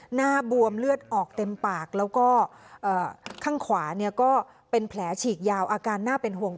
หน้าบวมเลือดออกเต็มปากแล้วก็ข้างขวาเนี่ยก็เป็นแผลฉีกยาวอาการน่าเป็นห่วง